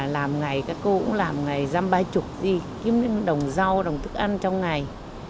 làm ngày các cô cũng làm ngày dăm ba chục gì kiếm đồng rau đồng thức ăn trong ngày